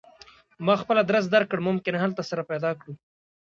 ما خپل ادرس درکړ ممکن هلته سره پیدا کړو